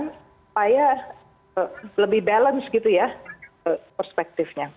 supaya lebih balance perspektifnya